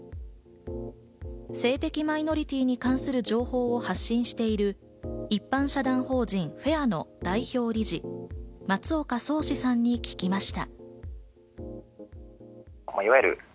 性的マイノリティーに関する情報を発信している一般社団法人ｆａｉｒの代表理事・松岡宗嗣さんに聞きました。